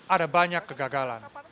ada banyak kegagalan